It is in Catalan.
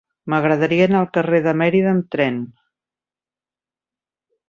M'agradaria anar al carrer de Mérida amb tren.